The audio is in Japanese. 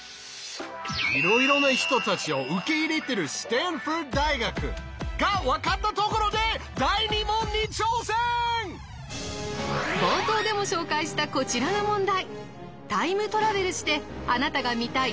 いろいろな人たちを受け入れているスタンフォード大学が分かったところで冒頭でも紹介したこちらの問題！